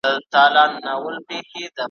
مشر هم خیالي زامن وه زېږولي ,